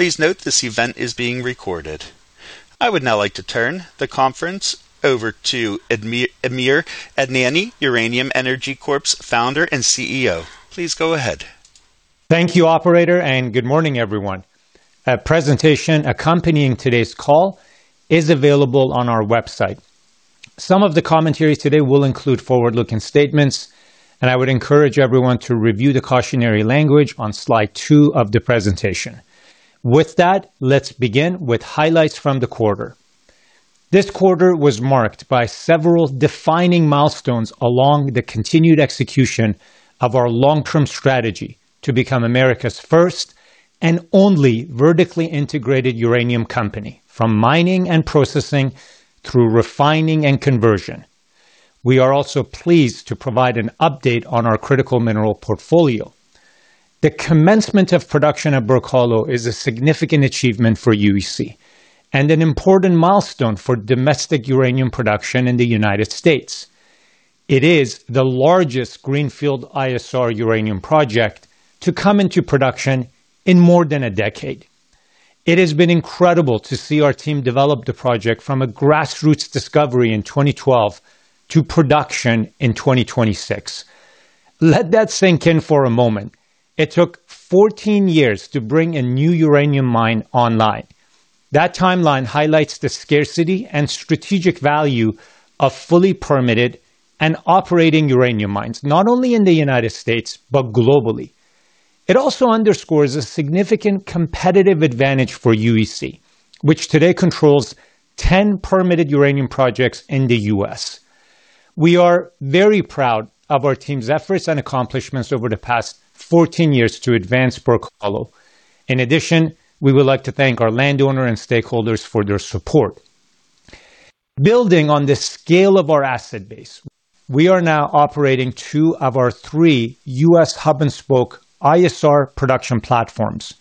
Please note this event is being recorded. I would now like to turn the conference over to Amir Adnani, Uranium Energy Corp's Founder and CEO. Please go ahead. Thank you, operator, and good morning, everyone. A presentation accompanying today's call is available on our website. Some of the commentaries today will include forward-looking statements. I would encourage everyone to review the cautionary language on slide two of the presentation. With that, let's begin with highlights from the quarter. This quarter was marked by several defining milestones along the continued execution of our long-term strategy to become America's first and only vertically integrated uranium company, from mining and processing through refining and conversion. We are also pleased to provide an update on our critical mineral portfolio. The commencement of production at Burke Hollow is a significant achievement for UEC and an important milestone for domestic uranium production in the United States. It is the largest greenfield ISR uranium project to come into production in more than a decade. It has been incredible to see our team develop the project from a grassroots discovery in 2012 to production in 2026. Let that sink in for a moment. It took 14 years to bring a new uranium mine online. That timeline highlights the scarcity and strategic value of fully permitted and operating uranium mines, not only in the United States but globally. It also underscores a significant competitive advantage for UEC, which today controls 10 permitted uranium projects in the U.S. We are very proud of our team's efforts and accomplishments over the past 14 years to advance Burke Hollow. In addition, we would like to thank our landowner and stakeholders for their support. Building on the scale of our asset base, we are now operating two of our three U.S. hub-and-spoke ISR production platforms.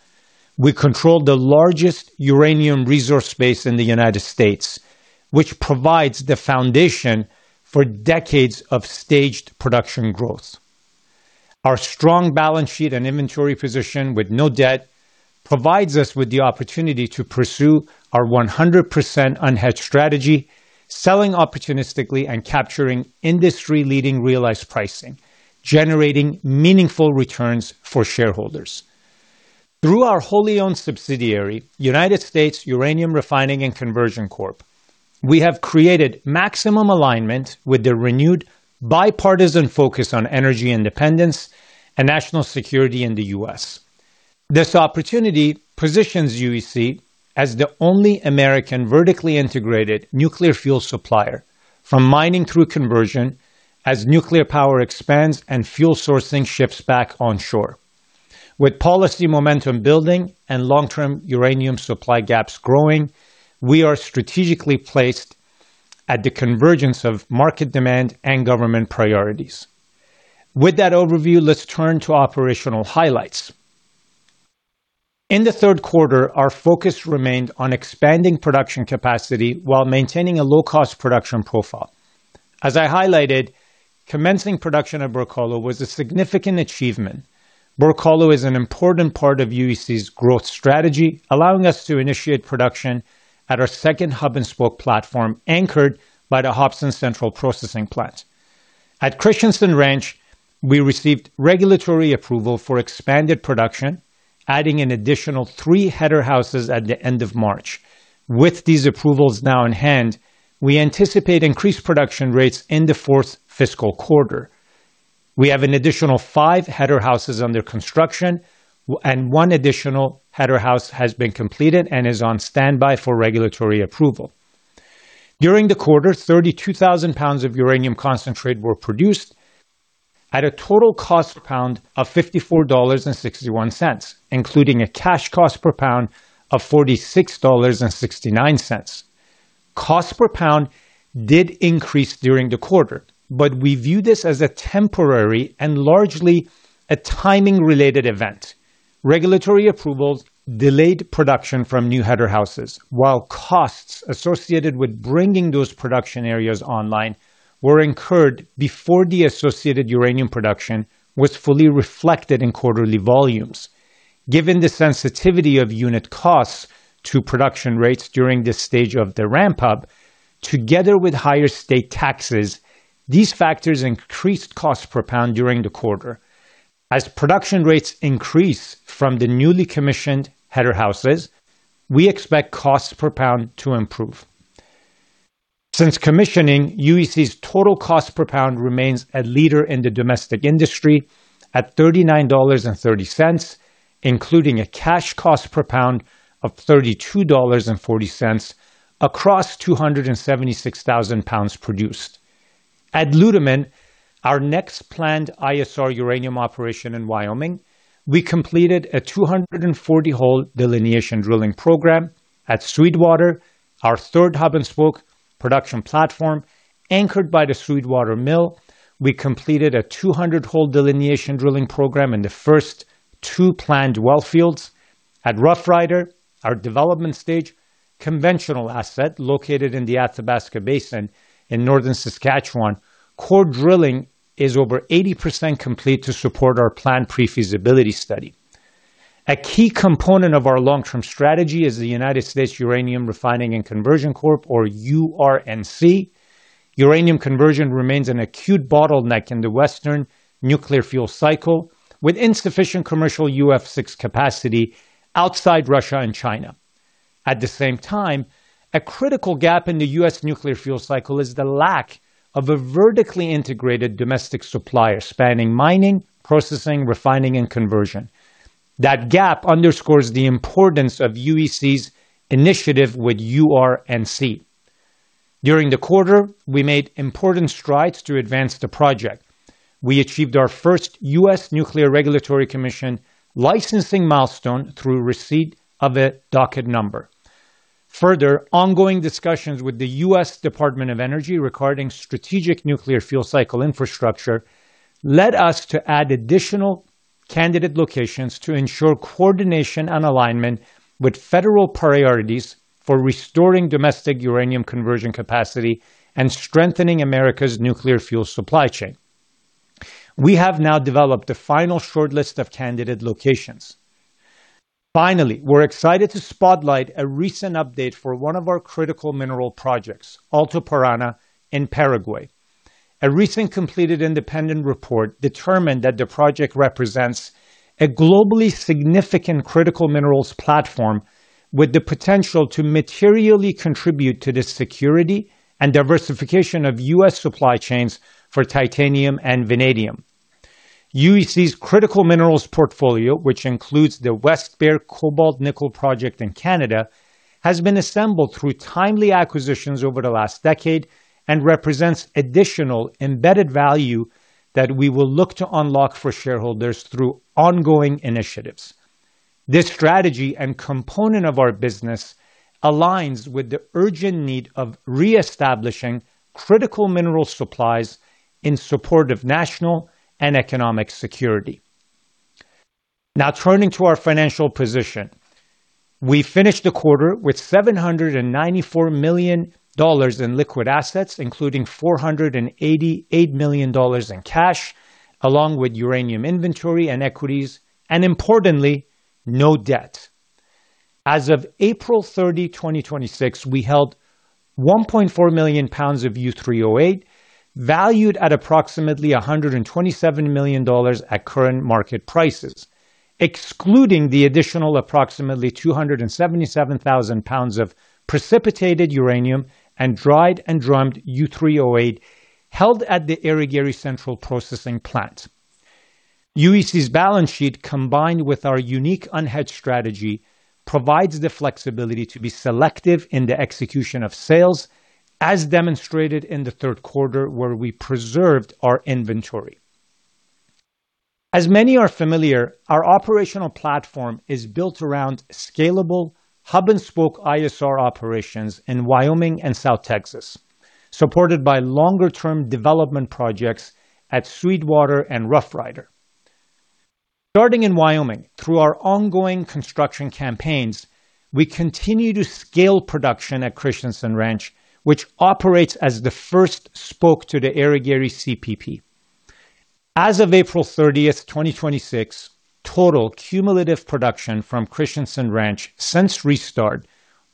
We control the largest uranium resource base in the United States, which provides the foundation for decades of staged production growth. Our strong balance sheet and inventory position with no debt provides us with the opportunity to pursue our 100% unhedged strategy, selling opportunistically and capturing industry-leading realized pricing, generating meaningful returns for shareholders. Through our wholly owned subsidiary, United States Uranium Refining & Conversion Corp, we have created maximum alignment with the renewed bipartisan focus on energy independence and national security in the U.S. This opportunity positions UEC as the only American vertically integrated nuclear fuel supplier from mining through conversion as nuclear power expands and fuel sourcing shifts back onshore. With policy momentum building and long-term uranium supply gaps growing, we are strategically placed at the convergence of market demand and government priorities. With that overview, let's turn to operational highlights. In the third quarter, our focus remained on expanding production capacity while maintaining a low-cost production profile. As I highlighted, commencing production at Burke Hollow was a significant achievement. Burke Hollow is an important part of UEC's growth strategy, allowing us to initiate production at our second hub-and-spoke platform, anchored by the Hobson Central Processing Plant. At Christensen Ranch, we received regulatory approval for expanded production, adding an additional three header houses at the end of March. With these approvals now in hand, we anticipate increased production rates in the fourth fiscal quarter. We have an additional five header houses under construction, and one additional header house has been completed and is on standby for regulatory approval. During the quarter, 32,000 lbs of uranium concentrate were produced at a total cost pound of $54.61, including a cash cost per pound of $46.69. Cost per pound did increase during the quarter, but we view this as a temporary and largely a timing-related event. Regulatory approvals delayed production from new header houses, while costs associated with bringing those production areas online were incurred before the associated uranium production was fully reflected in quarterly volumes. Given the sensitivity of unit costs to production rates during this stage of the ramp up, together with higher state taxes, these factors increased cost per pound during the quarter. As production rates increase from the newly commissioned header houses, we expect cost per pound to improve. Since commissioning, UEC's total cost per pound remains a leader in the domestic industry at $39.30, including a cash cost per pound of $32.40 across 276,000 lbs produced. At Ludeman, our next planned ISR uranium operation in Wyoming, we completed a 240-hole delineation drilling program. At Sweetwater, our third hub-and-spoke production platform anchored by the Sweetwater Mill, we completed a 200-hole delineation drilling program in the first two planned wellfields. At Roughrider, our development stage conventional asset located in the Athabasca Basin in Northern Saskatchewan, core drilling is over 80% complete to support our planned pre-feasibility study. A key component of our long-term strategy is the United States Uranium Refining & Conversion Corp, or UR&C. Uranium conversion remains an acute bottleneck in the Western nuclear fuel cycle, with insufficient commercial UF6 capacity outside Russia and China. At the same time, a critical gap in the U.S. nuclear fuel cycle is the lack of a vertically integrated domestic supplier spanning mining, processing, refining, and conversion. That gap underscores the importance of UEC's initiative with UR&C. During the quarter, we made important strides to advance the project. We achieved our first U.S. Nuclear Regulatory Commission licensing milestone through receipt of a docket number. Further, ongoing discussions with the U.S. Department of Energy regarding strategic nuclear fuel cycle infrastructure led us to add additional candidate locations to ensure coordination and alignment with federal priorities for restoring domestic uranium conversion capacity and strengthening America's nuclear fuel supply chain. We have now developed a final shortlist of candidate locations. Finally, we're excited to spotlight a recent update for one of our critical mineral projects, Alto Paraná in Paraguay. A recent completed independent report determined that the project represents a globally significant critical minerals platform with the potential to materially contribute to the security and diversification of U.S. supply chains for titanium and vanadium. UEC's critical minerals portfolio, which includes the West Bear Cobalt-Nickel project in Canada, has been assembled through timely acquisitions over the last decade and represents additional embedded value that we will look to unlock for shareholders through ongoing initiatives. This strategy and component of our business aligns with the urgent need of reestablishing critical mineral supplies in support of national and economic security. Now turning to our financial position. We finished the quarter with $794 million in liquid assets, including $488 million in cash, along with uranium inventory and equities, and importantly, no debt. As of April 30, 2026, we held 1.4 million pounds of U3O8, valued at approximately $127 million at current market prices, excluding the additional approximately 277,000 lbs of precipitated uranium and dried and drummed U3O8 held at the Irigaray Central Processing Plant. UEC's balance sheet, combined with our unique unhedged strategy, provides the flexibility to be selective in the execution of sales, as demonstrated in the third quarter, where we preserved our inventory. As many are familiar, our operational platform is built around scalable hub-and-spoke ISR operations in Wyoming and South Texas, supported by longer-term development projects at Sweetwater and Roughrider. Starting in Wyoming, through our ongoing construction campaigns, we continue to scale production at Christensen Ranch, which operates as the first spoke to the Irigaray CPP. As of April 30th, 2026, total cumulative production from Christensen Ranch since restart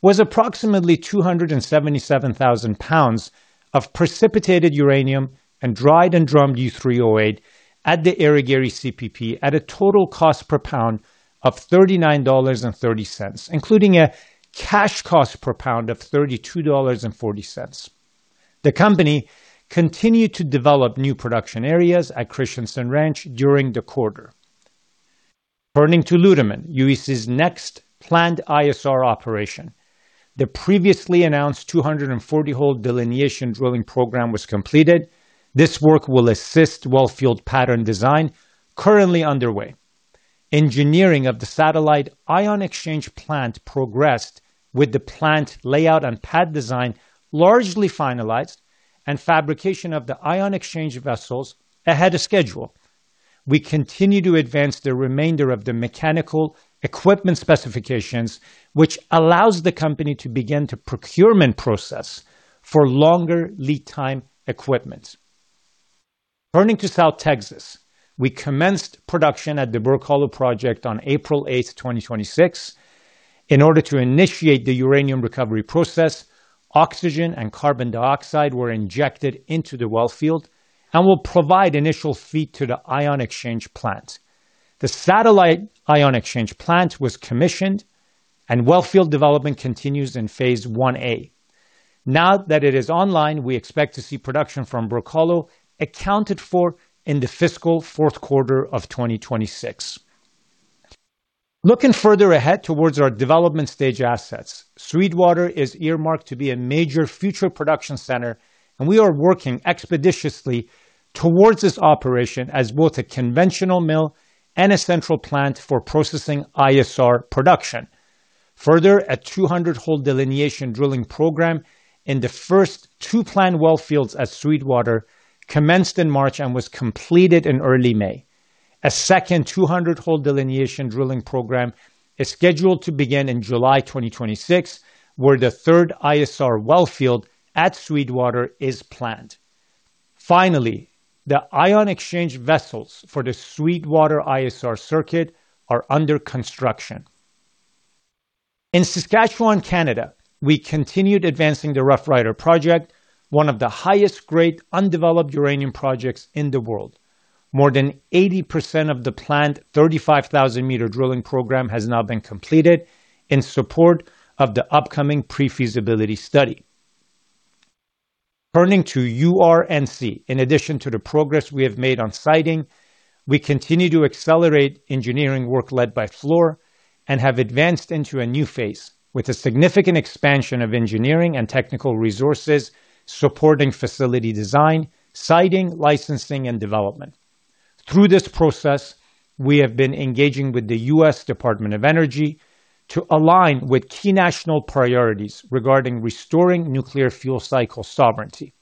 was approximately 277,000 lbs of precipitated uranium and dried and drummed U3O8 at the Irigaray CPP at a total cost per pound of $39.30, including a cash cost per pound of $32.40. The company continued to develop new production areas at Christensen Ranch during the quarter. Turning to Ludeman, UEC's next planned ISR operation. The previously announced 240-hole delineation drilling program was completed. This work will assist wellfield pattern design currently underway. Engineering of the satellite ion exchange plant progressed with the plant layout and pad design largely finalized and fabrication of the ion exchange vessels ahead of schedule. We continue to advance the remainder of the mechanical equipment specifications, which allows the company to begin the procurement process for longer lead time equipment. Turning to South Texas, we commenced production at the Burke Hollow project on April 8th, 2026. In order to initiate the uranium recovery process, oxygen and carbon dioxide were injected into the wellfield and will provide initial feed to the ion exchange plant. The satellite ion exchange plant was commissioned, and wellfield development continues in phase 1A. Now that it is online, we expect to see production from Burke Hollow accounted for in the fiscal fourth quarter of 2026. Looking further ahead towards our development stage assets, Sweetwater is earmarked to be a major future production center, and we are working expeditiously towards this operation as both a conventional mill and a central plant for processing ISR production. Further, a 200-hole delineation drilling program in the first two planned wellfields at Sweetwater commenced in March and was completed in early May. A second 200-hole delineation drilling program is scheduled to begin in July 2026, where the third ISR wellfield at Sweetwater is planned. Finally, the ion exchange vessels for the Sweetwater ISR circuit are under construction. In Saskatchewan, Canada, we continued advancing the Roughrider project, one of the highest-grade undeveloped uranium projects in the world. More than 80% of the planned 35,000-m drilling program has now been completed in support of the upcoming pre-feasibility study. Turning to UR&C, in addition to the progress we have made on siting, we continue to accelerate engineering work led by Fluor and have advanced into a new phase with a significant expansion of engineering and technical resources supporting facility design, siting, licensing, and development. Through this process, we have been engaging with the U.S. Department of Energy to align with key national priorities regarding restoring nuclear fuel cycle sovereignty.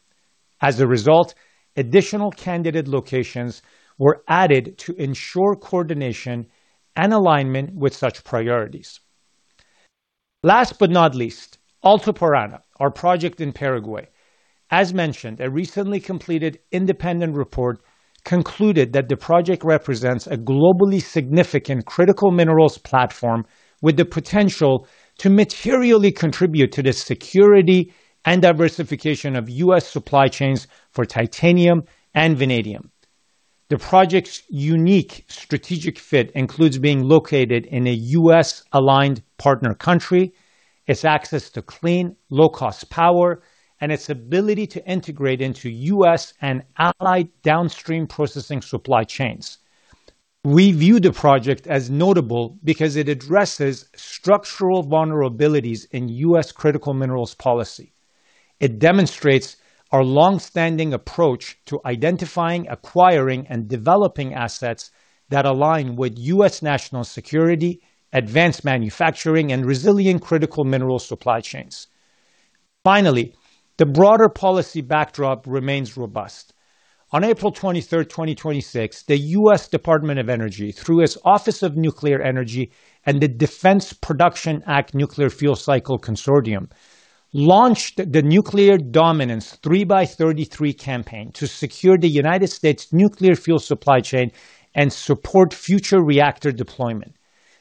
As a result, additional candidate locations were added to ensure coordination and alignment with such priorities. Last but not least, Alto Paraná, our project in Paraguay. As mentioned, a recently completed independent report concluded that the project represents a globally significant critical minerals platform with the potential to materially contribute to the security and diversification of U.S. supply chains for titanium and vanadium. The project's unique strategic fit includes being located in a U.S.-aligned partner country, its access to clean, low-cost power, and its ability to integrate into U.S. and allied downstream processing supply chains. We view the project as notable because it addresses structural vulnerabilities in U.S. critical minerals policy. It demonstrates our longstanding approach to identifying, acquiring, and developing assets that align with U.S. national security, advanced manufacturing, and resilient critical mineral supply chains. Finally, the broader policy backdrop remains robust. On April 23rd, 2026, the U.S. Department of Energy, through its Office of Nuclear Energy and the Defense Production Act Nuclear Fuel Cycle Consortium, launched the Nuclear Dominance — 3 by 33 campaign to secure the United States nuclear fuel supply chain and support future reactor deployment.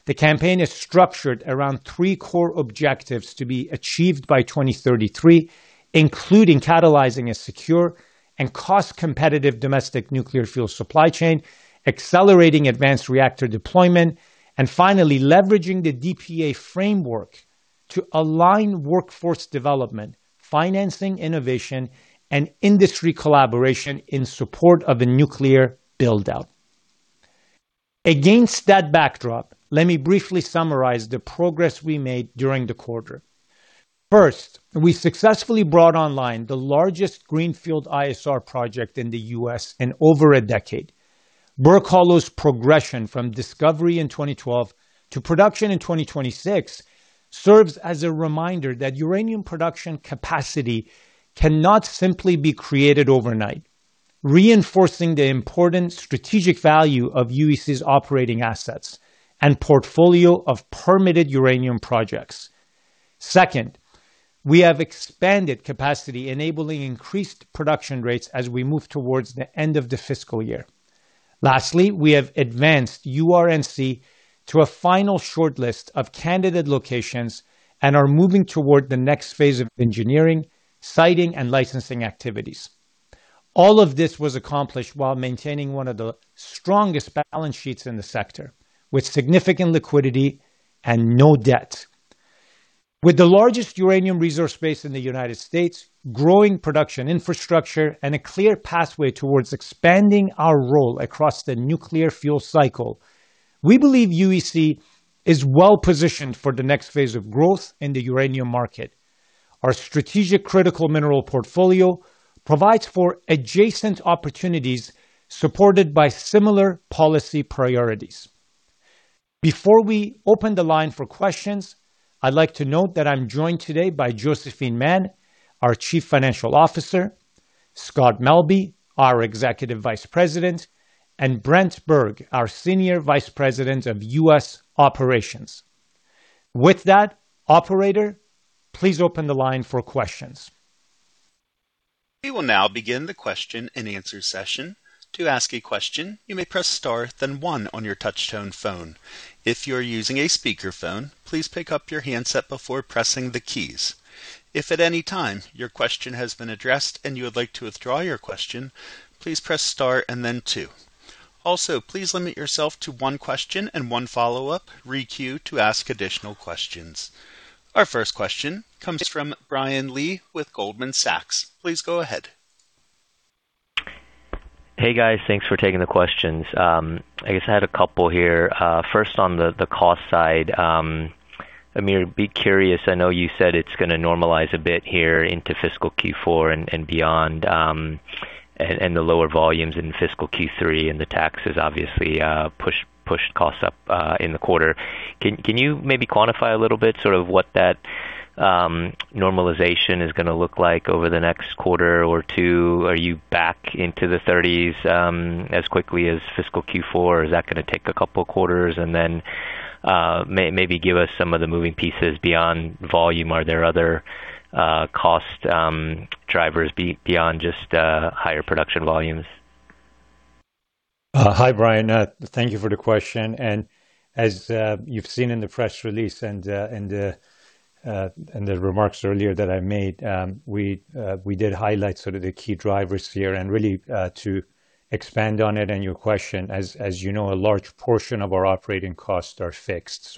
The campaign is structured around three core objectives to be achieved by 2033, including catalyzing a secure and cost-competitive domestic nuclear fuel supply chain, accelerating advanced reactor deployment, and finally, leveraging the DPA framework to align workforce development, financing innovation, and industry collaboration in support of a nuclear build-out. Against that backdrop, let me briefly summarize the progress we made during the quarter. First, we successfully brought online the largest greenfield ISR project in the U.S. in over a decade. Burke Hollow's progression from discovery in 2012 to production in 2026 serves as a reminder that uranium production capacity cannot simply be created overnight, reinforcing the important strategic value of UEC's operating assets and portfolio of permitted uranium projects. Second, we have expanded capacity enabling increased production rates as we move towards the end of the fiscal year. Lastly, we have advanced UR&C to a final shortlist of candidate locations and are moving toward the next phase of engineering, siting, and licensing activities. All of this was accomplished while maintaining one of the strongest balance sheets in the sector, with significant liquidity and no debt. With the largest uranium resource base in the United States, growing production infrastructure, and a clear pathway towards expanding our role across the nuclear fuel cycle, we believe UEC is well-positioned for the next phase of growth in the uranium market. Our strategic critical mineral portfolio provides for adjacent opportunities supported by similar policy priorities. Before we open the line for questions, I'd like to note that I'm joined today by Josephine Man, our Chief Financial Officer, Scott Melbye, our Executive Vice President, and Brent Berg, our Senior Vice President of U.S. Operations. With that, operator, please open the line for questions. We will now begin the question-and-answer session. To ask a question, you may press star, then one on your touch-tone phone. If you're using a speakerphone, please pick up your handset before pressing the keys. If at any time your question has been addressed and you would like to withdraw your question, please press star, and then two. Also, please limit yourself to one question and one follow-up. Re-queue to ask additional questions. Our first question comes from Brian Lee with Goldman Sachs. Please go ahead. Hey, guys. Thanks for taking the questions. I guess I had a couple here. First, on the cost side, Amir, be curious, I know you said it's going to normalize a bit here into fiscal Q4 and beyond, and the lower volumes in fiscal Q3 and the taxes obviously pushed costs up in the quarter. Can you maybe quantify a little bit sort of what that normalization is going to look like over the next quarter or two? Are you back into the 30s as quickly as fiscal Q4, or is that going to take a couple quarters? And then, maybe, give us some of the moving pieces beyond volume. Are there other cost drivers beyond just higher production volumes? Hi, Brian. Thank you for the question. As you've seen in the press release and the remarks earlier that I made, we did highlight sort of the key drivers here and really, to expand on it and your question, as you know, a large portion of our operating costs are fixed.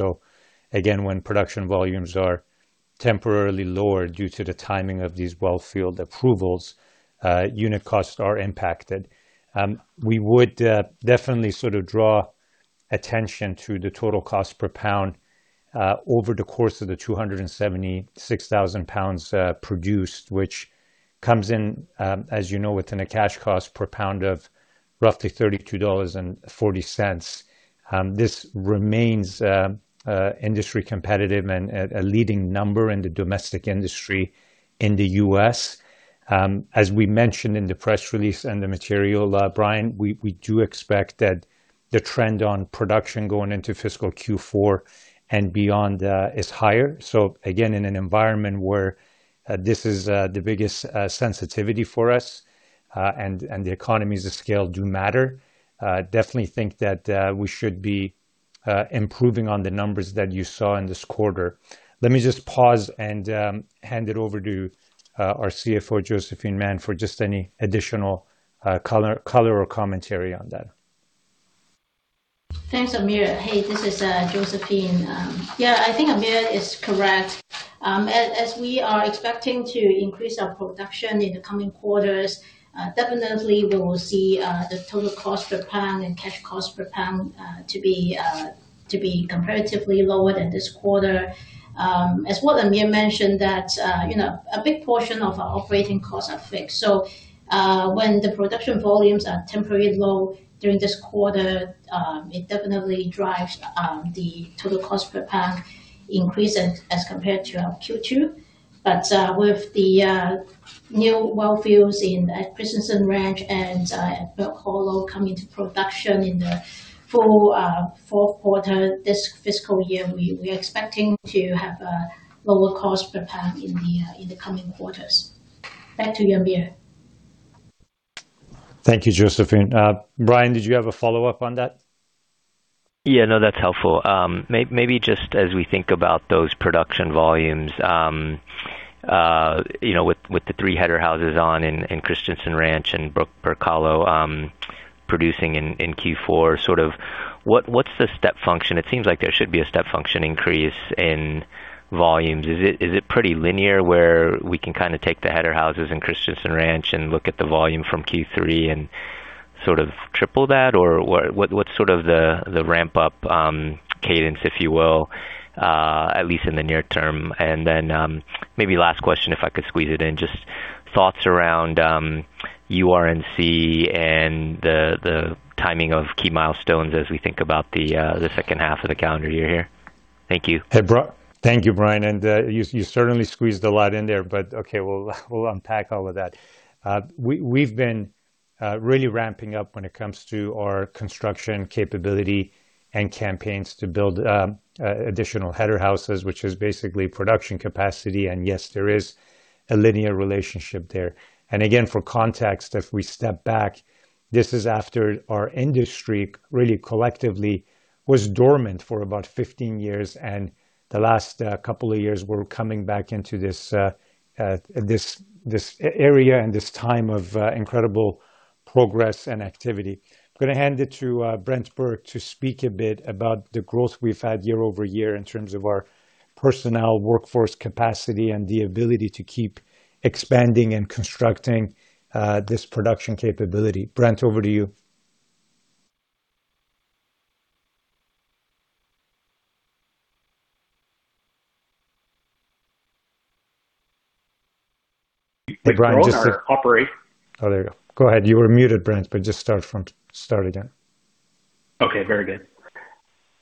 Again, when production volumes are temporarily lower due to the timing of these wellfield approvals, unit costs are impacted. We would definitely sort of draw attention to the total cost per pound over the course of the 276,000 lbs produced, which comes in, as you know, within a cash cost per pound of roughly $32.40. This remains industry competitive and a leading number in the domestic industry in the U.S. As we mentioned in the press release and the material, Brian, we do expect that the trend on production going into fiscal Q4 and beyond is higher. Again, in an environment where this is the biggest sensitivity for us, and the economies of scale do matter, definitely think that we should be improving on the numbers that you saw in this quarter. Let me just pause and hand it over to our CFO, Josephine Man, for just any additional color or commentary on that. Thanks, Amir. Hey, this is Josephine. Yeah, I think Amir is correct. As we are expecting to increase our production in the coming quarters, definitely, we will see the total cost per pound and cash cost per pound to be comparatively lower than this quarter. As well, Amir mentioned that a big portion of our operating costs are fixed, so when the production volumes are temporarily low during this quarter, it definitely drives the total cost per pound increase as compared to our Q2. With the new wellfields at Christensen Ranch and at Burke Hollow coming to production in the full fourth quarter this fiscal year, we are expecting to have a lower cost per pound in the coming quarters. Back to you, Amir. Thank you, Josephine. Brian, did you have a follow-up on that? Yeah. No, that's helpful. Maybe just as we think about those production volumes, with the three header houses on in Christensen Ranch and Burke Hollow producing in Q4, sort of what's the step function? It seems like there should be a step function increase in volumes. Is it pretty linear where we can kind of take the header houses in Christensen Ranch and look at the volume from Q3 and sort of triple that, or what's sort of the ramp-up cadence, if you will, at least in the near term? Maybe last question, if I could squeeze it in, just thoughts around UR&C and the timing of key milestones as we think about the second half of the calendar year here. Thank you. Thank you, Brian, and you certainly squeezed a lot in there, but okay, we'll unpack all of that. We've been really ramping up when it comes to our construction capability and campaigns to build additional header houses, which is basically production capacity. Yes, there is a linear relationship there. Again, for context, if we step back, this is after our industry really collectively was dormant for about 15 years, and the last couple of years we're coming back into this area and this time of incredible progress and activity. I'm going to hand it to Brent Berg to speak a bit about the growth we've had year-over-year in terms of our personnel, workforce capacity, and the ability to keep expanding and constructing this production capability. Brent, over to you. Hey, Brian, just to. There you go. Go ahead. You were muted, Brent, but just start again. Okay, very good.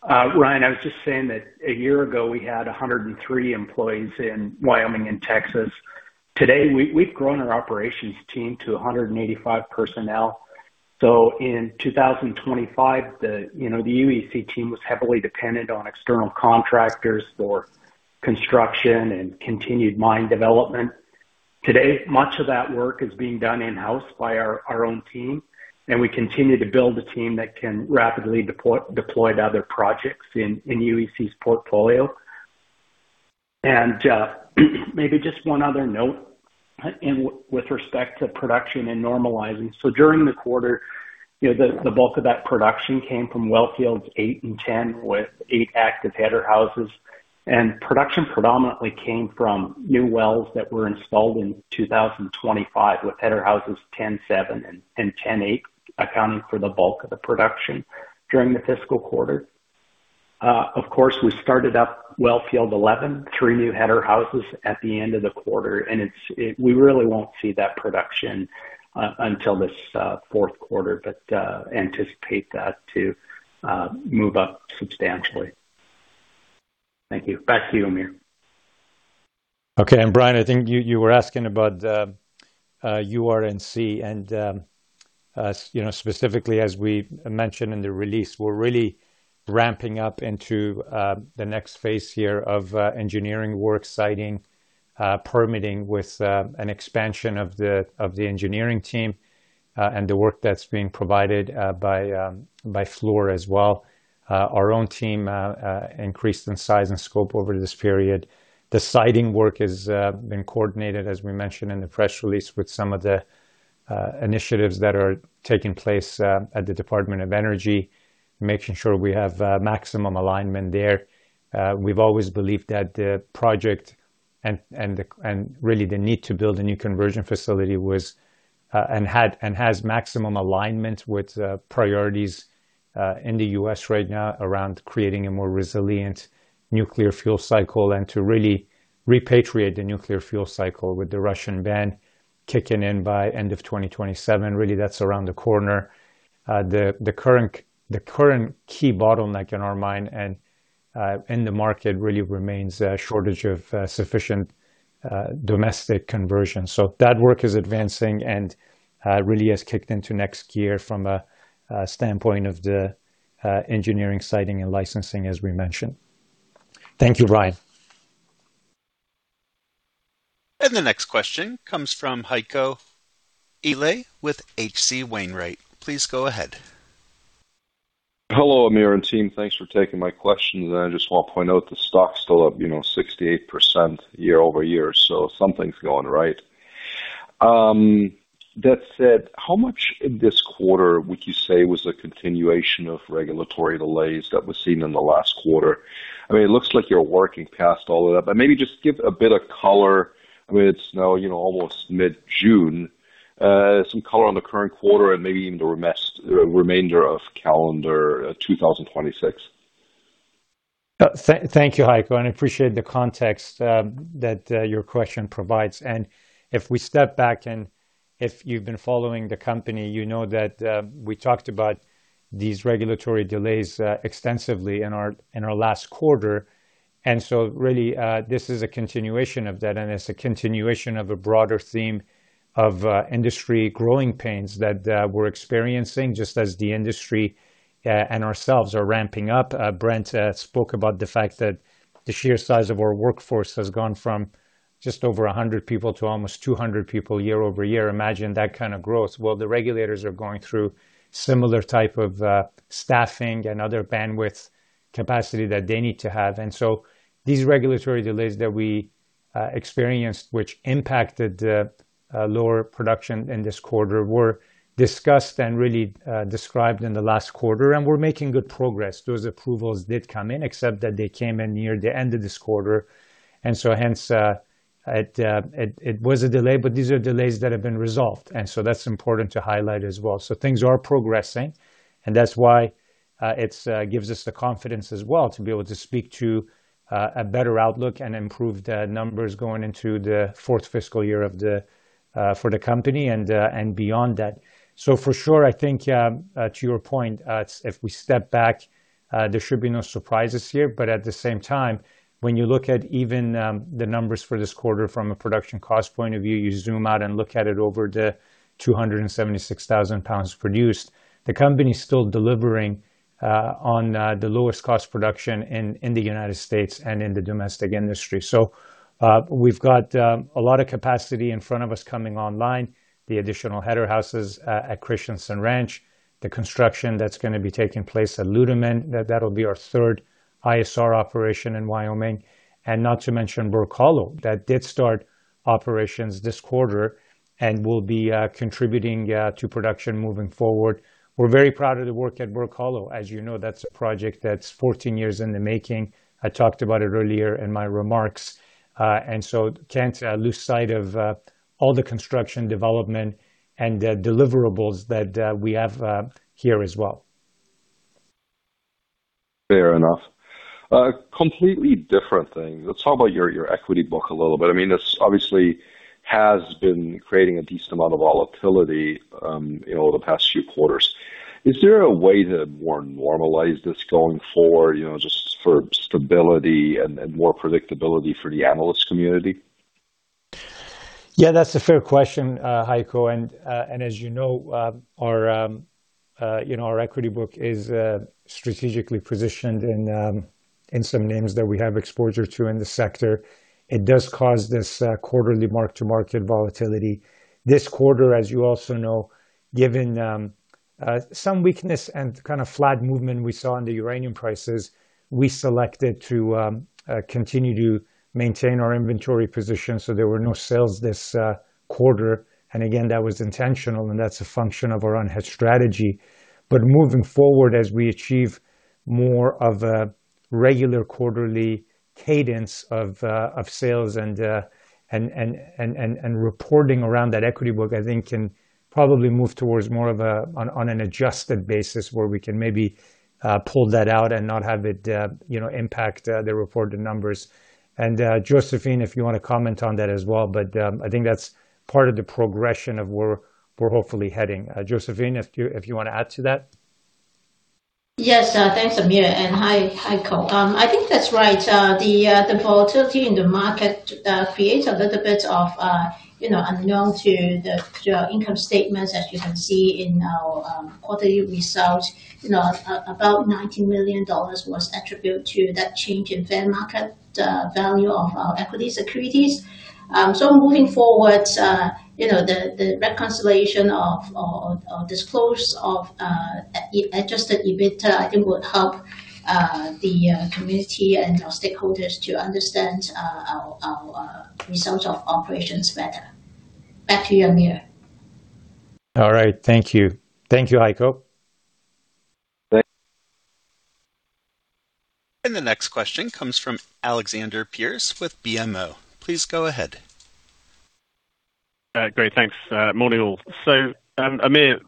Brian, I was just saying that a year ago, we had 103 employees in Wyoming and Texas. Today, we've grown our operations team to 185 personnel. In 2025, the UEC team was heavily dependent on external contractors for construction and continued mine development. Today, much of that work is being done in-house by our own team, and we continue to build a team that can rapidly deploy to other projects in UEC's portfolio. Maybe, just one other note with respect to production and normalizing, so during the quarter, the bulk of that production came from Wellfields 8 and 10 with eight active header houses. Production predominantly came from new wells that were installed in 2025 with Header Houses 10-7 and 10-8 accounting for the bulk of the production during the fiscal quarter. Of course, we started up Wellfield 11, three new header houses at the end of the quarter, and we really won't see that production until this fourth quarter, but anticipate that to move up substantially. Thank you. Back to you, Amir. Brian, I think you were asking about the UR&C and specifically, as we mentioned in the release, we're really ramping up into the next phase here of engineering work, siting, permitting with an expansion of the engineering team, and the work that's being provided by Fluor as well. Our own team increased in size and scope over this period. The siting work has been coordinated, as we mentioned in the press release, with some of the initiatives that are taking place at the Department of Energy, making sure we have maximum alignment there. We've always believed that the project and really, the need to build a new conversion facility was, and has maximum alignment with priorities in the U.S. right now around creating a more resilient nuclear fuel cycle and to really repatriate the nuclear fuel cycle with the Russian ban kicking in by end of 2027. Really, that's around the corner. The current key bottleneck in our mind and in the market really remains a shortage of sufficient domestic conversion. That work is advancing and really has kicked into next gear from a standpoint of the engineering, siting, and licensing, as we mentioned. Thank you, Brian. The next question comes from Heiko Ihle with H.C. Wainwright. Please go ahead. Hello, Amir and team. Thanks for taking my questions. I just want to point out the stock's still up 68% year-over-year, so something's going right. That said, how much in this quarter would you say was a continuation of regulatory delays that was seen in the last quarter? It looks like you're working past all of that, but maybe just give a bit of color. It's now almost mid-June. Some color on the current quarter and maybe even the remainder of calendar 2026. Thank you, Heiko and I appreciate the context that your question provides. If we step back and if you've been following the company, you know that we talked about these regulatory delays extensively in our last quarter. Really, this is a continuation of that, and it's a continuation of a broader theme of industry growing pains that we're experiencing just as the industry and ourselves are ramping up. Brent spoke about the fact that the sheer size of our workforce has gone from just over 100 people to almost 200 people year-over-year. Imagine that kind of growth, while the regulators are going through similar type of staffing and other bandwidth capacity that they need to have. These regulatory delays that we experienced, which impacted the lower production in this quarter, were discussed and really described in the last quarter, and we're making good progress. Those approvals did come in, except that they came in near the end of this quarter. Hence, it was a delay, but these are delays that have been resolved, and that's important to highlight as well. Things are progressing, and that's why it gives us the confidence as well to be able to speak to a better outlook and improved numbers going into the fourth fiscal year for the company and beyond that. For sure, I think to your point, if we step back, there should be no surprises here. At the same time, when you look at even the numbers for this quarter from a production cost point of view, you zoom out and look at it over the 276,000 lbs produced, the company's still delivering on the lowest cost production in the United States and in the domestic industry. We've got a lot of capacity in front of us coming online, the additional header houses at Christensen Ranch, the construction that's going to be taking place at Ludeman. That'll be our third ISR operation in Wyoming. Not to mention Burke Hollow, that did start operations this quarter and will be contributing to production moving forward. We're very proud of the work at Burke Hollow. As you know, that's a project that's 14 years in the making. I talked about it earlier in my remarks, and so, can't lose sight of all the construction development and the deliverables that we have here as well. Fair enough. A completely different thing. Let's talk about your equity book a little bit. This obviously has been creating a decent amount of volatility over the past few quarters. Is there a way to more normalize this going forward, just for stability and more predictability for the analyst community? Yeah, that's a fair question, Heiko. As you know, our equity book is strategically positioned in some names that we have exposure to in the sector. It does cause this quarterly mark-to-market volatility. This quarter, as you also know, given some weakness and kind of flat movement we saw in the uranium prices, we selected to continue to maintain our inventory position, so there were no sales this quarter. Again, that was intentional, and that's a function of our unhedged strategy. Moving forward, as we achieve more of a regular quarterly cadence of sales and reporting around that equity book, I think can probably move towards more of on an adjusted basis where we can maybe pull that out and not have it impact the reported numbers. Josephine, if you want to comment on that as well, but I think that's part of the progression of where we're hopefully heading. Josephine, if you want to add to that? Yes. Thanks, Amir, and hi, Heiko. I think that's right. The volatility in the market creates a little bit of unknown to the income statements, as you can see in our quarterly results. About $90 million was attributed to that change in fair market value of our equity securities. Moving forward, the reconciliation of disclosed adjusted EBITDA, I think, would help the community and our stakeholders to understand our results of operations better. Back to you, Amir. All right. Thank you. Thank you, Heiko. The next question comes from Alexander Pearce with BMO. Please go ahead. Great. Thanks. Morning, all. Amir,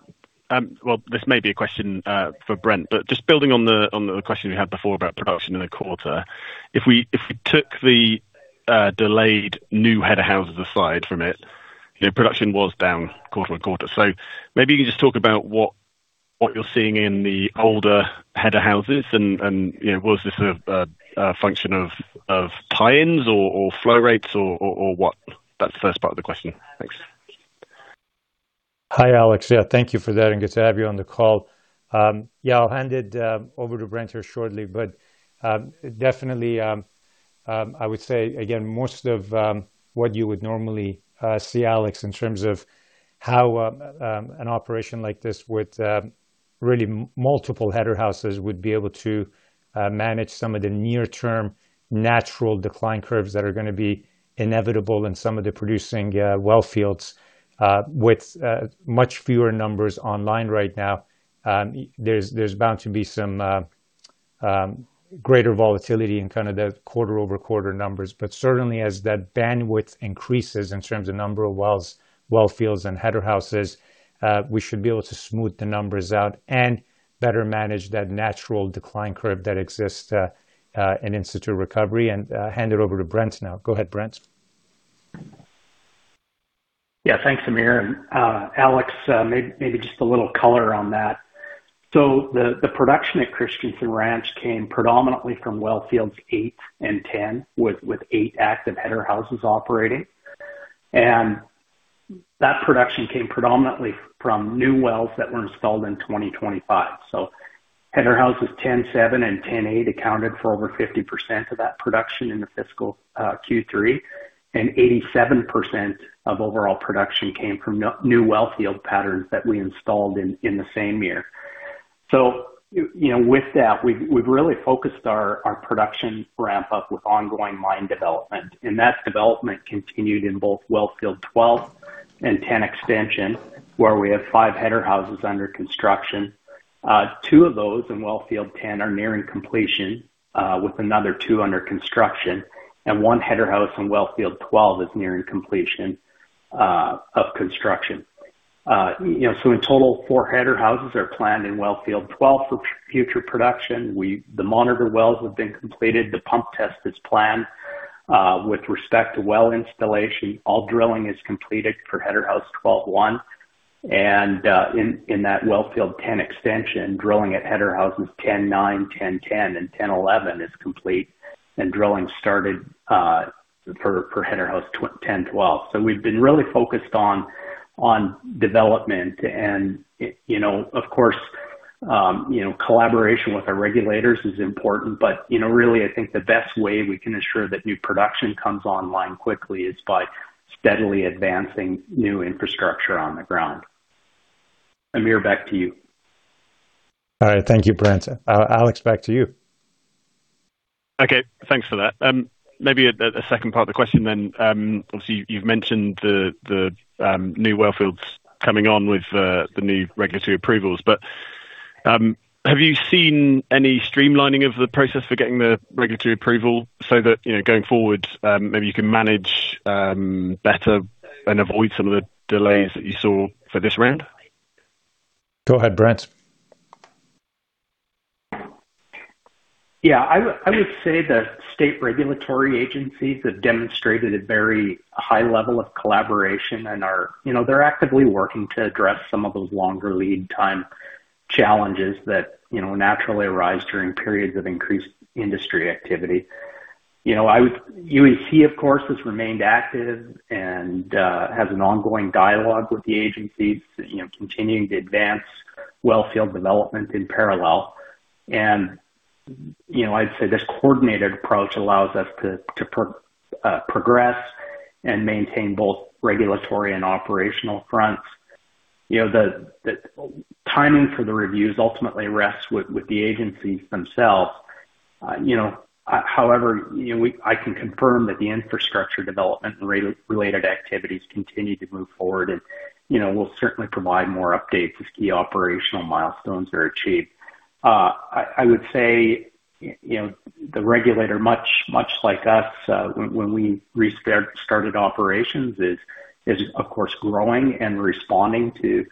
well, this may be a question for Brent but just building on the question we had before about production in the quarter, if we took the delayed new header houses aside from it, production was down quarter-over-quarter, so maybe you can just talk about what you're seeing in the older header houses and was this a function of tie-ins or flow rates or what? That's the first part of the question. Thanks. Hi, Alex. Yeah, thank you for that, and good to have you on the call. Yeah, I'll hand it over to Brent here shortly, but definitely, I would say again, most of what you would normally see, Alex, in terms of how an operation like this with really multiple header houses would be able to manage some of the near-term natural decline curves that are going to be inevitable in some of the producing wellfields, with much fewer numbers online right now, there's bound to be some greater volatility in kind of the quarter-over-quarter numbers, but certainly, as that bandwidth increases in terms of number of wells, wellfields, and header houses, we should be able to smooth the numbers out and better manage that natural decline curve that exists in in-situ recovery. Hand it over to Brent now. Go ahead, Brent. Yeah. Thanks, Amir. Alex, maybe just a little color on that. The production at Christensen Ranch came predominantly from Wellfields 8 and 10, with eight active header houses operating, and that production came predominantly from new wells that were installed in 2025. Header Houses 10-7 and 10-8 accounted for over 50% of that production in the fiscal Q3, and 87% of overall production came from new wellfield patterns that we installed in the same year. With that, we've really focused our production ramp up with ongoing mine development, and that development continued in both Wellfield 12 and 10 expansions, where we have five header houses under construction. Two of those in Wellfield 10 are nearing completion, with another two under construction, and one header house in Wellfield 12 is nearing completion of construction. In total, four header houses are planned in Wellfield 12 for future production. The monitor wells have been completed. The pump test is planned. With respect to well installation, all drilling is completed for Header House 12-1. In that Wellfield 10 extension, drilling at Header Houses 10-9, 10-10, and 10-11 is complete, and drilling started for Header House 10-12. We've been really focused on development and, of course, collaboration with our regulators is important, but really, I think the best way we can ensure that new production comes online quickly is by steadily advancing new infrastructure on the ground. Amir, back to you. All right. Thank you, Brent. Alex, back to you. Okay. Thanks for that. Maybe a second part of the question then. Obviously, you've mentioned the new wellfields coming on with the new regulatory approvals, but have you seen any streamlining of the process for getting the regulatory approval so that going forward, maybe you can manage better and avoid some of the delays that you saw for this round? Go ahead, Brent. Yeah. I would say the state regulatory agencies have demonstrated a very high level of collaboration and they're actively working to address some of those longer lead time challenges that naturally arise during periods of increased industry activity. UEC, of course, has remained active and has an ongoing dialogue with the agencies, continuing to advance wellfield development in parallel. I'd say this coordinated approach allows us to progress and maintain both regulatory and operational fronts. The timing for the reviews ultimately rests with the agencies themselves. However, I can confirm that the infrastructure development and related activities continue to move forward. We'll certainly provide more updates as key operational milestones are achieved. I would say the regulator, much like us, when we restarted operations, is of course growing and responding to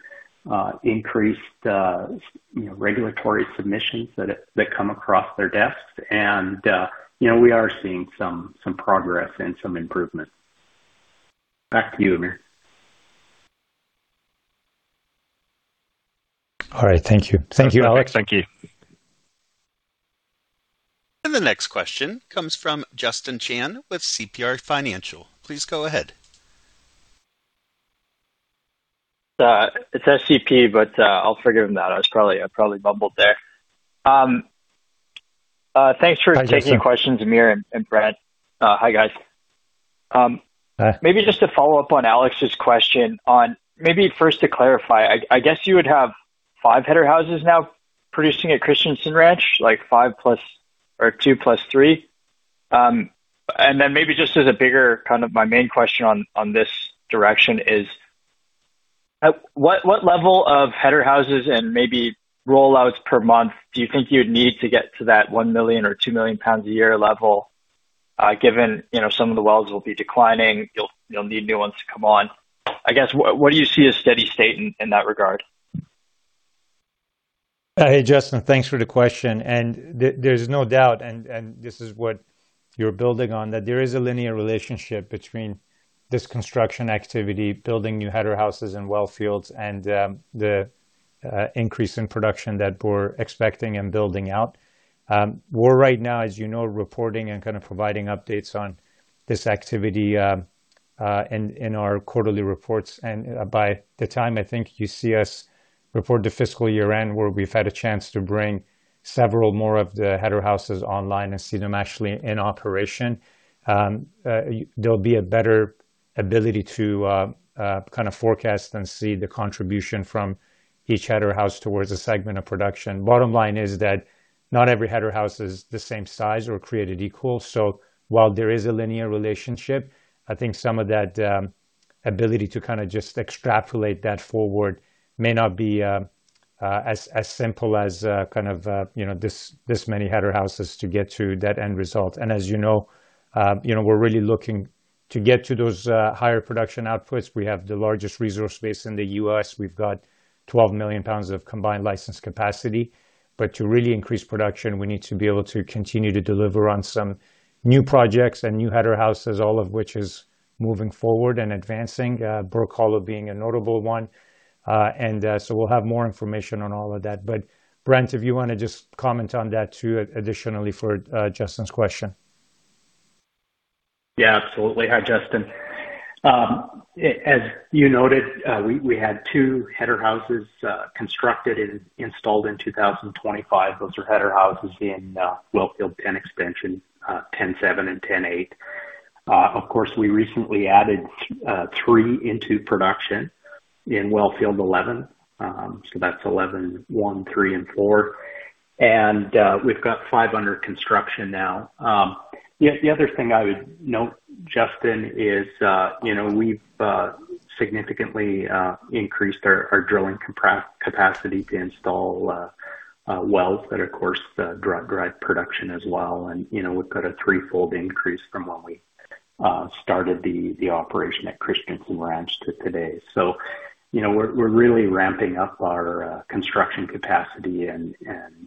increased regulatory submissions that come across their desks, and we are seeing some progress and some improvement. Back to you, Amir. All right. Thank you. Thank you, Alex. Thanks. Thank you. The next question comes from Justin Chan with SCP Resource Finance. Please go ahead. It's SCP, but I'll forgive him that. I probably bumbled there. Hi, Justin. Thanks for taking questions, Amir and Brent. Hi, guys. Hi. Just to follow up on Alex's question. First to clarify, I guess you would have five header houses now producing at Christensen Ranch, like five plus or two plus three. Then maybe just as a bigger kind of my main question on this direction is what level of header houses and maybe rollouts per month do you think you'd need to get to that 1 million or 2 million pounds a year level, given some of the wells will be declining, you'll need new ones to come on. I guess, what do you see as steady state in that regard? Hey, Justin, thanks for the question. There's no doubt, and this is what you're building on, that there is a linear relationship between this construction activity, building new header houses and wellfields, and the increase in production that we're expecting and building out. We're, right now, as you know, reporting and kind of providing updates on this activity in our quarterly reports. By the time I think you see us report the fiscal year-end, where we've had a chance to bring several more of the header houses online and see them actually in operation, there'll be a better ability to kind of forecast and see the contribution from each header house towards a segment of production. Bottom line is that not every header house is the same size or created equal, so while there is a linear relationship, I think some of that ability to kind of just extrapolate that forward may not be as simple as kind of this many header houses to get to that end result. As you know, we're really looking to get to those higher production outputs. We have the largest resource base in the U.S. We've got 12 million pounds of combined licensed capacity. But to really increase production, we need to be able to continue to deliver on some new projects and new header houses, all of which is moving forward and advancing. Burke Hollow being a notable one. So, we'll have more information on all of that. Brent, if you want to just comment on that too, additionally for Justin's question? Yeah, absolutely. Hi, Justin. As you noted, we had two header houses constructed and installed in 2025. Those are header houses in Wellfield 10 expansion, 10-7 and 10-8. Of course, we recently added three into production in Wellfield 11, so that's 11-1, 11-3, and 11-4, and we've got five under construction now. The other thing I would note, Justin, is we've significantly increased our drilling capacity to install wells, but of course, the drive production as well. We've got a threefold increase from when we started the operation at Christensen Ranch to today. We're really ramping up our construction capacity and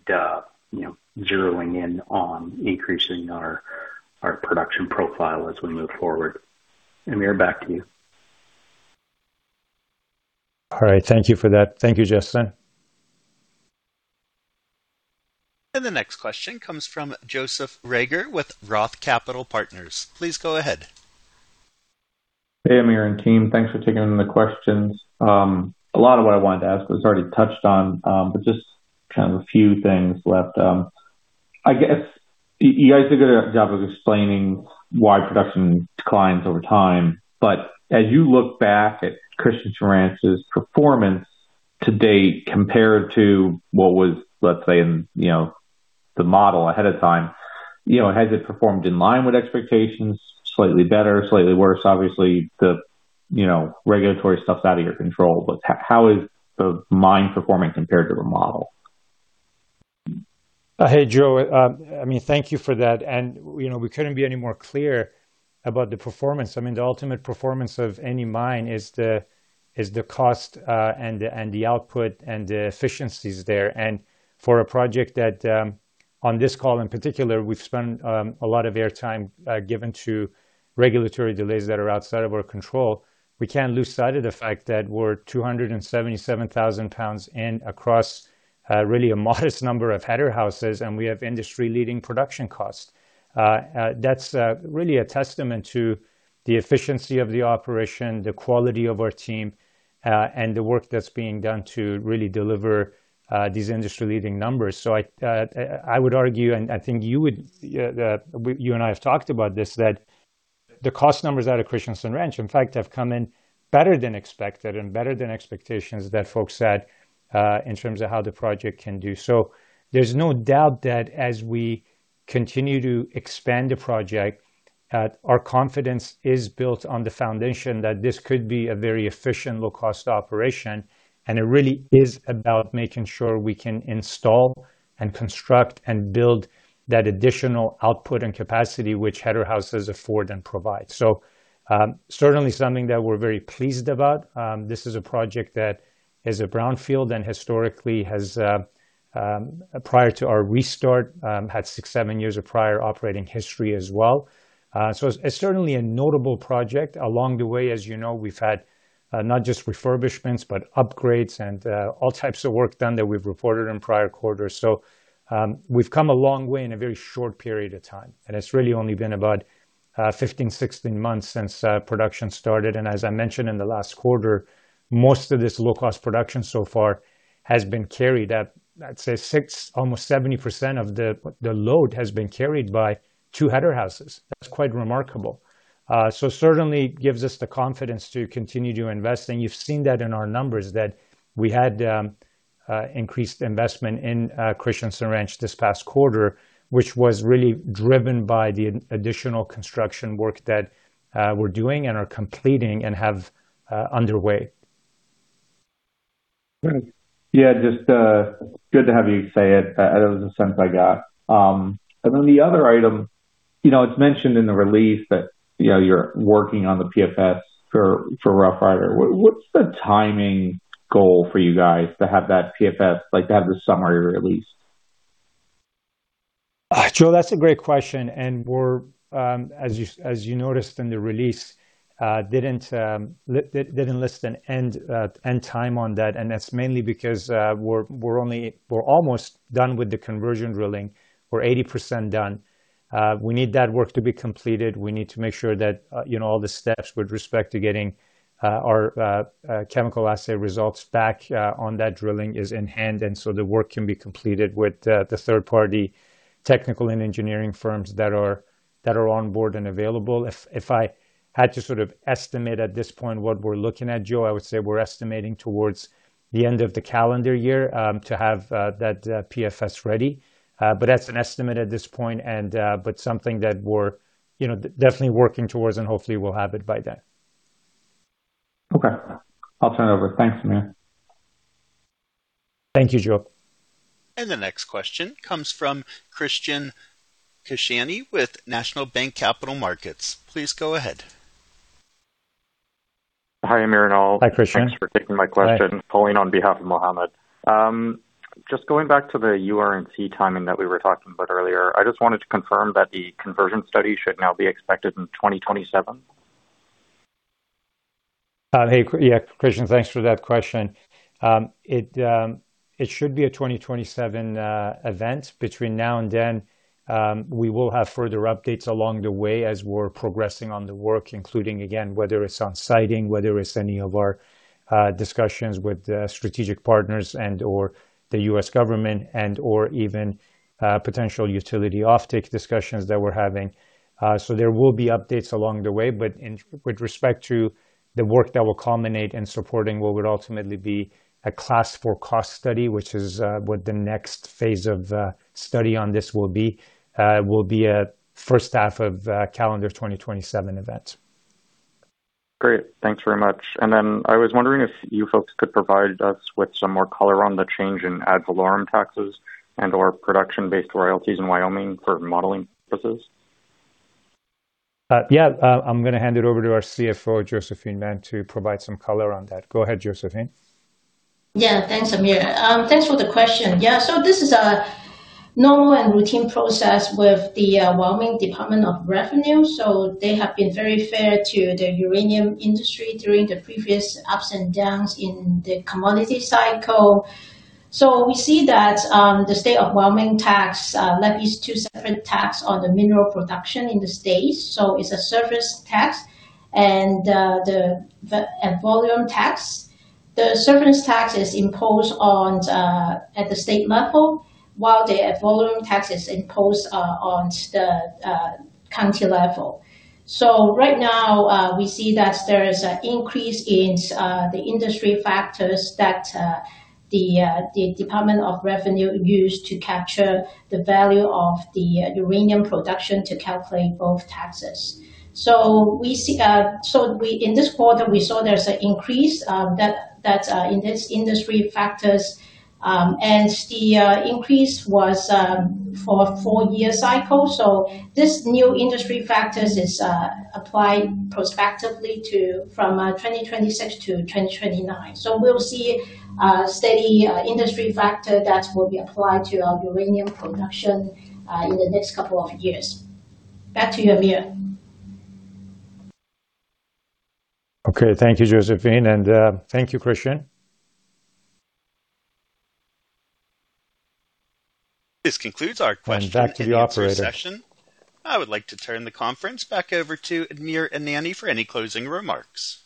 zeroing in on increasing our production profile as we move forward. Amir, back to you. All right. Thank you for that. Thank you, Justin. The next question comes from Joseph Reagor with ROTH Capital Partners. Please go ahead. Hey, Amir and team. Thanks for taking the questions. A lot of what I wanted to ask was already touched on, but just kind of a few things left. I guess you guys did a good job of explaining why production declines over time, but as you look back at Christensen Ranch's performance to date, compared to what was, let's say in the model ahead of time, has it performed in line with expectations? Slightly better, slightly worse? Obviously, the regulatory stuff's out of your control, but how is the mine performing compared to the model? Hey, Joe. Thank you for that. We couldn't be any more clear about the performance. I mean, the ultimate performance of any mine is the cost and the output and the efficiencies there. For a project that, on this call in particular, we've spent a lot of airtime given to regulatory delays that are outside of our control. We can't lose sight of the fact that we're 277,000 lbs in across really a modest number of header houses, and we have industry-leading production cost. That's really a testament to the efficiency of the operation, the quality of our team, and the work that's being done to really deliver these industry-leading numbers. I would argue, and I think you and I have talked about this, that the cost numbers out of Christensen Ranch, in fact, have come in better than expected and better than expectations that folks had in terms of how the project can do. There's no doubt that as we continue to expand the project, our confidence is built on the foundation that this could be a very efficient, low-cost operation. It really is about making sure we can install and construct and build that additional output and capacity which header houses afford and provide. Certainly, something that we're very pleased about. This is a project that is a brownfield and historically has, prior to our restart, had six, seven years of prior operating history as well. It's certainly a notable project. Along the way, as you know, we've had not just refurbishments, but upgrades and all types of work done that we've reported in prior quarters. We've come a long way in a very short period of time, and it's really only been about 15, 16 months since production started. As I mentioned in the last quarter, most of this low-cost production so far has been carried at, I'd say six, almost 70% of the load has been carried by two header houses. That's quite remarkable, so certainly, gives us the confidence to continue to invest. You've seen that in our numbers, that we had increased investment in Christensen Ranch this past quarter, which was really driven by the additional construction work that we're doing and are completing and have underway. Great. Yeah, just good to have you say it. That was the sense I got. Then the other item, it's mentioned in the release that you're working on the PFS for Roughrider. What's the timing goal for you guys to have that PFS, like to have the summary release? Joe, that's a great question, and we're, as you noticed in the release, didn't list an end time on that. That's mainly because we're almost done with the conversion drilling. We're 80% done. We need that work to be completed. We need to make sure that all the steps with respect to getting our chemical assay results back on that drilling is in hand, and so the work can be completed with the third-party technical and engineering firms that are on board and available. If I had to sort of estimate at this point what we're looking at, Joe, I would say we're estimating towards the end of the calendar year to have that PFS ready. That's an estimate at this point, but something that we're definitely working towards and hopefully will have it by then. Okay. I'll turn it over. Thanks, Amir. Thank you, Joe. The next question comes from Kristian Koschany with National Bank Capital Markets. Please go ahead. Hi, Amir and all. Hi, Kristian. Thanks for taking my question. Hi. Calling on behalf of Mohamed. Just going back to the UR&C timing that we were talking about earlier, I just wanted to confirm that the conversion study should now be expected in 2027? Kristian, thanks for that question. It should be a 2027 event. Between now and then, we will have further updates along the way as we're progressing on the work, including again, whether it's on siting, whether it's any of our discussions with strategic partners and/or the U.S. government and/or even potential utility offtake discussions that we're having. There will be updates along the way, but with respect to the work that will culminate in supporting what would ultimately be a Class 4 cost study, which is what the next phase of study on this will be, will be a first half of calendar 2027 event. Thanks very much. Then, I was wondering if you folks could provide us with some more color on the change in ad valorem taxes and/or production-based royalties in Wyoming for modeling purposes? I'm going to hand it over to our CFO, Josephine Man, to provide some color on that. Go ahead, Josephine. Thanks, Amir. Thanks for the question. This is a normal and routine process with the Wyoming Department of Revenue. They have been very fair to the uranium industry during the previous ups and downs in the commodity cycle. We see that the state of Wyoming tax levies two separate tax on the mineral production in the state, so it's a severance tax and the ad valorem tax. The severance tax is imposed at the state level, while the ad valorem tax is imposed on the county level. Right now, we see that there is an increase in the industry factors that the Department of Revenue used to capture the value of the uranium production to calculate both taxes. In this quarter, we saw there's an increase in this industry factors, and the increase was for a four-year cycle. This new industry factors is applied prospectively from 2026 to 2029. We'll see a steady industry factor that will be applied to our uranium production in the next couple of years. Back to you, Amir. Okay. Thank you, Josephine, and thank you, Kristian. This concludes our question-and-answer session. Back to the operator. I would like to turn the conference back over to Amir Adnani for any closing remarks.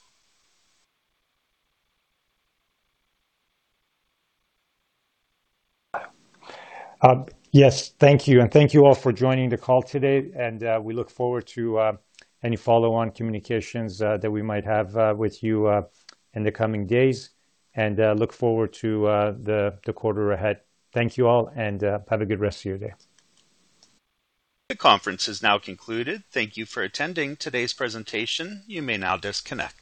Yes. Thank you. Thank you all for joining the call today and we look forward to any follow-on communications that we might have with you in the coming days and look forward to the quarter ahead. Thank you all and have a good rest of your day. The conference is now concluded. Thank you for attending today's presentation. You may now disconnect.